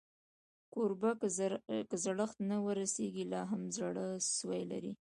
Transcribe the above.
کوربه که زړښت ته ورسېږي، لا هم زړهسوی لري.